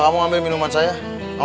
apa ini abah